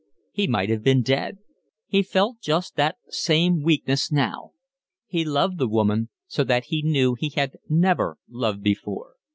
He might have been dead. He felt just that same weakness now. He loved the woman so that he knew he had never loved before.